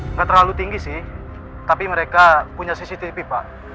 nggak terlalu tinggi sih tapi mereka punya cctv pak